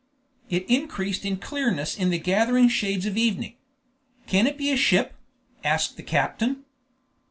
It increased in clearness in the gathering shades of evening. "Can it be a ship?" asked the captain.